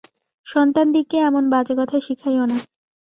সন্তানদিগকে এমন বাজে কথা শিখাইও না।